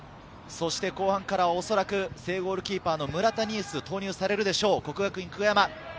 後半からおそらく正ゴールキーパーの村田新直、投入されるでしょう、國學院久我山。